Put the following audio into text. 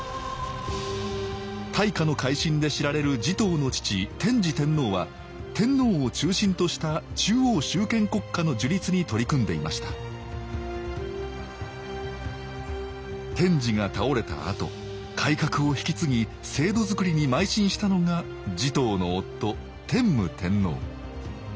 大化の改新で知られる持統の父天智天皇は天皇を中心とした中央集権国家の樹立に取り組んでいました天智が倒れたあと改革を引き継ぎ制度づくりにまい進したのが持統の夫天武天皇。